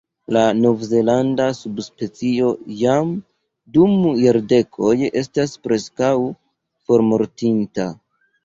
La Nov-Zelanda subspecio jam dum jardekoj estas preskaŭ formortinta.